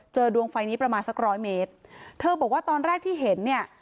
ดวงไฟนี้ประมาณสักร้อยเมตรเธอบอกว่าตอนแรกที่เห็นเนี่ย